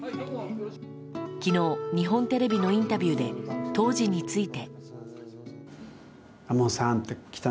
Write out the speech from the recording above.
昨日、日本テレビのインタビューで当時について。